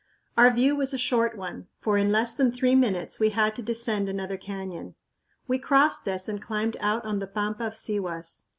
Our view was a short one, for in less than three minutes we had to descend another canyon. We crossed this and climbed out on the pampa of Sihuas.